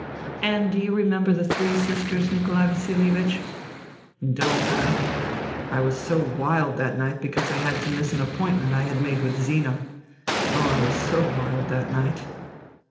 " And do you remember the Three Sisters, Nikolai Vasilievich ?"" Don't 1 1 I was so wild that night because I had to miss an appointment I had made with Zina. Oh, I was so wild that night.